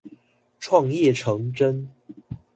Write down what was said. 創業成真